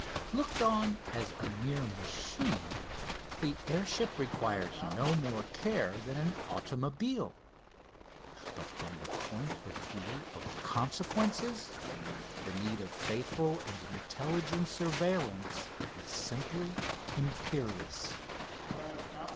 Looked on as a mere machine the air ship requires no more care than an automobile, but, from the point of view of consequences, the need of faithful and intelligent surveillance is simply imperious.